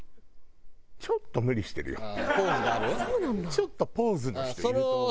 ちょっとポーズの人いると思う。